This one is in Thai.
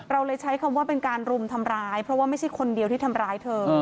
เราเลยใช้คำว่าเป็นการรุมทำร้ายเพราะว่าไม่ใช่คนเดียวที่ทำร้ายเธอ